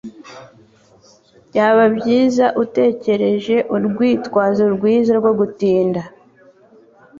Byaba byiza utekereje urwitwazo rwiza rwo gutinda.